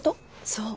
そう。